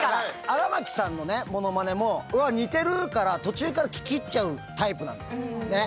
荒牧さんのモノマネもうわっ似てる！から途中から聞き入っちゃうタイプなんですよね。